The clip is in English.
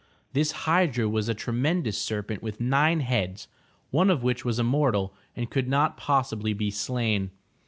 This hydra was a tremendous serpent with nine heads, one of which was immortal and could not possibly be slain.